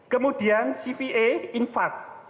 kemudian cva infar